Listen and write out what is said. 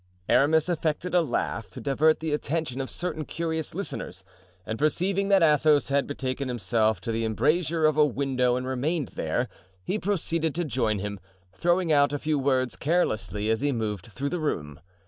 Aramis affected a laugh, to divert the attention of certain curious listeners, and perceiving that Athos had betaken himself to the embrasure of a window and remained there, he proceeded to join him, throwing out a few words carelessly as he moved through the room.